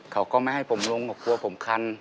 เขาก็ไม่ให้ผมลงก็กลัวผมคัน